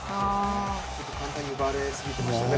簡単に奪われすぎてましたね